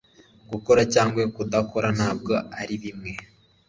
gukora cyangwa kudakora ntabwo ari bimwe